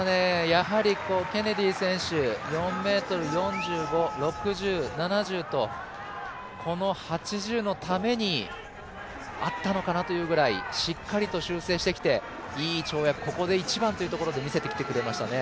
やはり、ケネディ選手４ｍ４５６０、７０と、この８０のためにあったのかなというぐらいしっかりと修正してきていい跳躍ここで一番というところで、見せてきましたね。